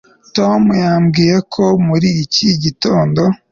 tom yambwiye ko muri iki gitondo